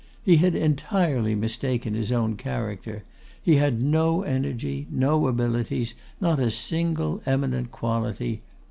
He had entirely mistaken his own character. He had no energy, no abilities, not a single eminent quality.